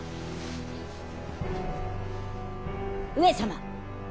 上様！